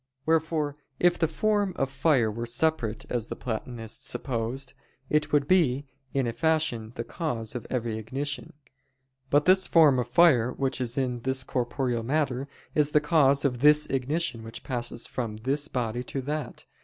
Wherefore if the form of fire were separate, as the Platonists supposed, it would be, in a fashion, the cause of every ignition. But this form of fire which is in this corporeal matter, is the cause of this ignition which passes from this body to that.